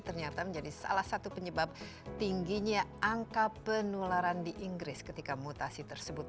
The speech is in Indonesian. ternyata menjadi salah satu penyebab tingginya angka penularan di inggris ketika mutasi tersebut